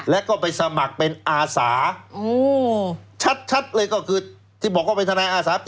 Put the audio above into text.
แล้วก็ไปสมัครเป็นอาสาชัดเลยก็คือที่บอกว่าเป็นทนายอาสา